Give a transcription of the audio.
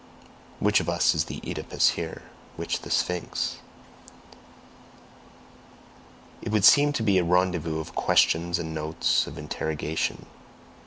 Which of us is the Oedipus here? Which the Sphinx? It would seem to be a rendezvous of questions and notes of interrogation.